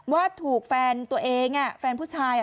ว่าถูกแฟนตัวเองแฟนผู้ชาย